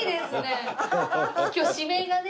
今日指名がね。